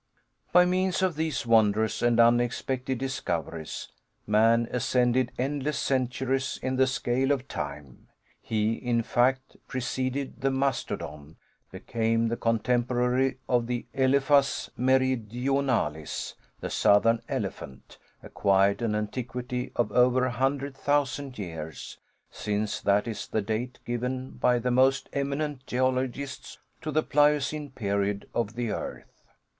By means of these wondrous and unexpected discoveries, man ascended endless centuries in the scale of time; he, in fact, preceded the mastodon; became the contemporary of the Elephas meridionalis the southern elephant; acquired an antiquity of over a hundred thousand years, since that is the date given by the most eminent geologists to the Pliocene period of the earth.